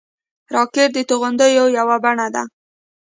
راکټ د توغندیو یوه بڼه ده